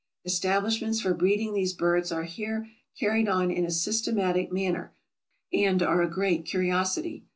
Establish ments for breeding these birds are here carried on in a sys tematic manner, and are a great curiosity.